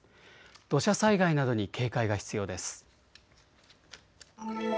土砂災害などに警戒が必要です。